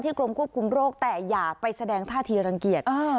กรมควบคุมโรคแต่อย่าไปแสดงท่าทีรังเกียจ